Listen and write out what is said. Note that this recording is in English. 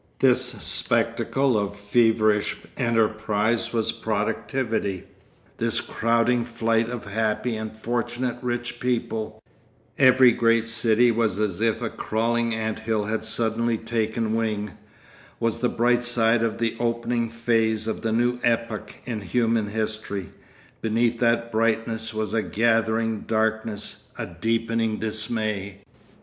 This spectacle of feverish enterprise was productivity, this crowding flight of happy and fortunate rich people—every great city was as if a crawling ant hill had suddenly taken wing—was the bright side of the opening phase of the new epoch in human history. Beneath that brightness was a gathering darkness, a deepening dismay.